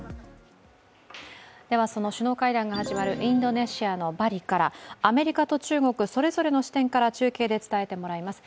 その首脳会談が始まるインドネシアのバリから、アメリカと中国、それぞれの視点から中継で伝えてもらいます。